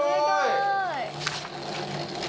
すごい！